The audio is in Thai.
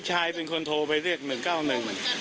ค่ะค่ะค่ะ